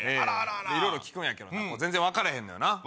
いろいろ聞くんやけど全然分かれへんのよな。